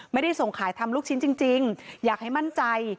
ไม่ได้ส่งขายทำลูกชิ้นจริงอยากให้มั่นใจ